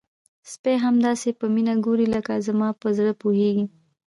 سپی مې داسې په مینه ګوري لکه زما په زړه پوهیږي.